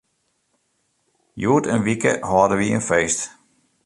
Hjoed in wike hâlde wy in feest.